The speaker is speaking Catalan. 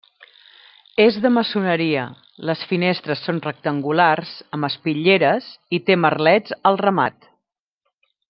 És de maçoneria; les finestres són rectangulars, amb espitlleres, i té merlets al remat.